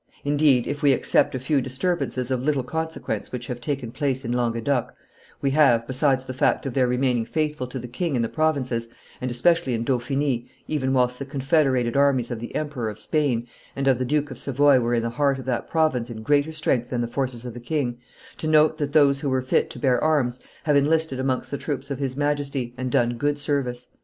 Indeed, if we except a few disturbances of little consequence which have taken place in Languedoc, we have, besides the fact of their remaining faithful to the king in the provinces, and especially in Dauphiny, even whilst the confederated armies of the emperor, of Spain, and of the Duke of Savoy were in the heart of that province in greater strength than the forces of the king, to note that those who were fit to bear arms have enlisted amongst the troops of his Majesty and done good service."